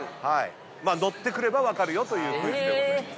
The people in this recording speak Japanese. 乗ってくれば分かるよというクイズでございます。